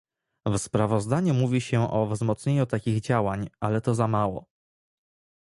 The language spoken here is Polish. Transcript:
W sprawozdaniu mówi się o wzmocnieniu takich działań, ale to za mało